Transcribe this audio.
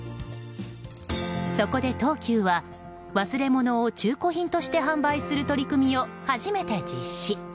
そこで東急は忘れ物を中古品として販売する取り組みを初めて実施。